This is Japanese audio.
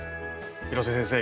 広瀬先生